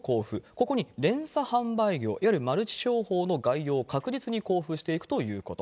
ここに連鎖販売業、いわゆるマルチ商法の概要を確実に交付していくということ。